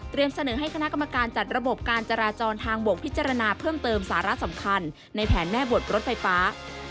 เสนอให้คณะกรรมการจัดระบบการจราจรทางบกพิจารณาเพิ่มเติมสาระสำคัญในแผนแม่บทรถไฟฟ้า